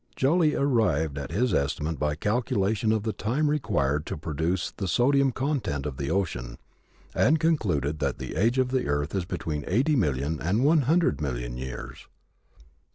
Joly arrived at his estimate by a calculation of the time required to produce the sodium content of the ocean, and concluded that the age of the earth is between eighty million and one hundred million years.